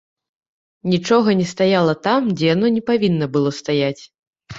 Нічога не стаяла там, дзе яно не павінна было стаяць.